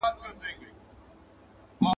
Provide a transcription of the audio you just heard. پر هغوی ښځو باندي به يي